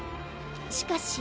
しかし。